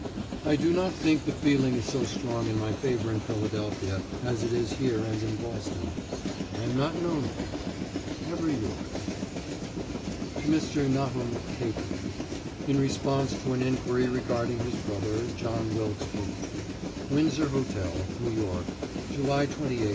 ... I do not think the feeling is so strong in my favour in Philadelphia as it is here and in Boston. I am not known there. Ever yours. TO MR. NAHUM CAPEN [In response to an inquiry regarding his brother, John Wilkes Booth.] WINDSOR HOTEL, NEW YORK, July 28, 1881.